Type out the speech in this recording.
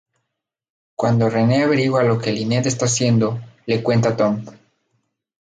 Cuando Renee averigua lo que Lynette está haciendo, le cuenta a Tom.